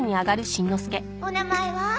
お名前は？